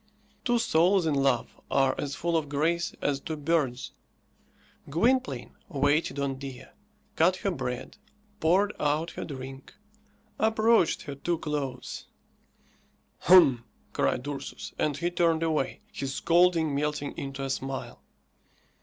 Two souls in love are as full of grace as two birds. Gwynplaine waited on Dea, cut her bread, poured out her drink, approached her too close. "Hum!" cried Ursus, and he turned away, his scolding melting into a smile.